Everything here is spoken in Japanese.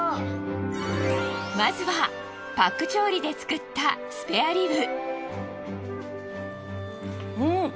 まずはパック調理で作ったスペアリブ。